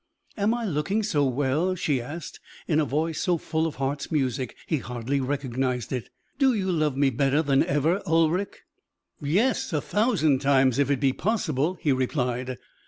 "Am I looking so well?" she asked, in a voice so full of heart's music he hardly recognized it. "Do you love me better than ever, Ulric?" "Yes, a thousand times, if it be possible," he replied.